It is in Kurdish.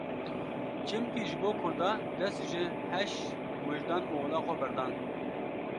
Çimkî ji bo Kurda dest ji heş, wijdan û ola xwe berdan.